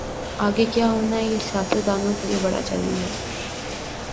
آگے کیا ہوناہے یہ سیاست دانوں کے لئے بڑا چیلنج ہے۔